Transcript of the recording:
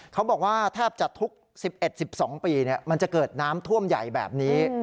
เขาบอกว่าแทบจะทุก๑๑๑๒ปีมันจะเกิดน้ำท่วมใหญ่แบบนี้